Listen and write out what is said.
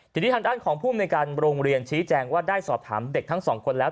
ทีนี้ทางด้านของภูมิในการโรงเรียนชี้แจงว่าได้สอบถามเด็กทั้งสองคนแล้ว